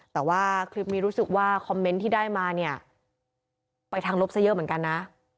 แต่ว่าคลิปนี้รู้สึกว่าคอมเมนต์ที่ได้มาเนี่ยไปทางลบซะเยอะเหมือนกันนะ